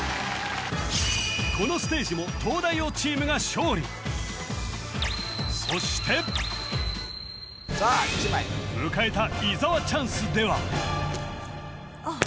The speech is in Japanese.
このステージも東大王チームが勝利そしてさあ１枚迎えた伊沢チャンスではあっ・